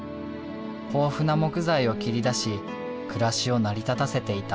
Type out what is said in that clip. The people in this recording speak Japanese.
豊富な木材を切り出し暮らしを成り立たせていた。